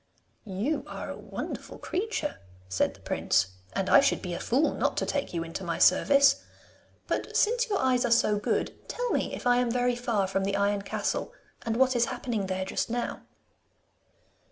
'You are a wonderful creature,' said the prince, 'and I should be a fool not to take you into my service. But since your eyes are so good, tell me if I am very far from the Iron Castle, and what is happening there just now.